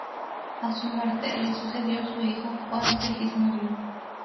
A su muerte le sucedió su hijo Juan Segismundo.